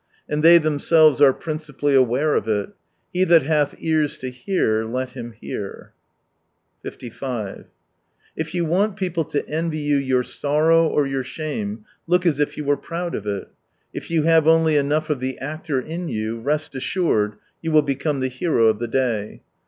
And they themselves are principally aware of it .... He that hath ears to hear, let him hear. 55 If you want people to envy you your sorrow or your shame, look as if you were proud of it. If you have only enough of the actor in you, rest assured, you will become the hero of the day.